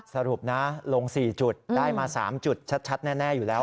สรุปนะลง๔จุดได้มา๓จุดชัดแน่อยู่แล้ว